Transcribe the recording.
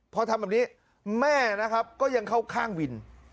พอทำแบบนี้แม่นะครับก็ยังเข้าข้างวิน